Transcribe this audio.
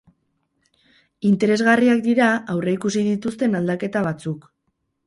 Interesgarriak dira aurreikusi dituzten aldaketa batzuk.